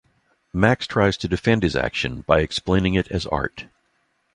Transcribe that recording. Max tries to defend his action by explaining it as art.